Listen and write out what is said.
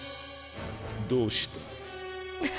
どうした？